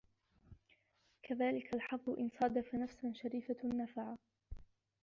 كَذَلِكَ الْحَظُّ إنْ صَادَفَ نَفْسًا شَرِيفَةً نَفَعَ